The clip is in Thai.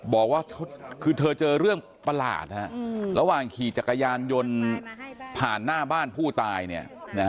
บอกว่าคือเธอเจอเรื่องประหลาดฮะระหว่างขี่จักรยานยนต์ผ่านหน้าบ้านผู้ตายเนี่ยนะฮะ